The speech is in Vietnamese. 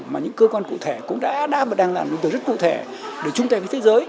mà những cơ quan cụ thể cũng đã và đang làm đối tượng rất cụ thể để chung tay với thế giới